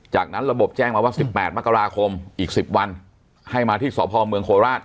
จากนั้นระบบแจ้งมาว่า๑๘มกราคมอีก๑๐วันให้มาที่สพเมืองโคราช